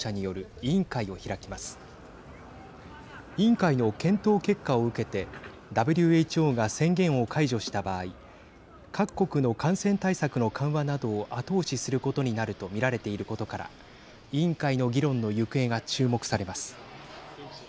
委員会の検討結果を受けてＷＨＯが宣言を解除した場合各国の感染対策の緩和などを後押しすることになると見られていることから委員会の議論の行方が注目されます。